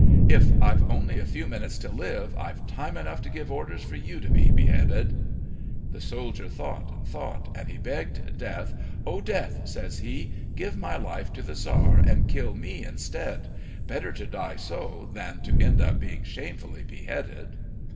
If I've only a few minutes to live I've time enough to give orders for you to be beheaded." The soldier thought and thought, and he begged Death: "O Death," says he, "give my life to the Tzar and kill me instead. Better to die so than to end by being shamefully beheaded!"